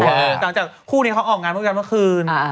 หลังจากคู่นี้เขาออกงานด้วยกันเมื่อคืน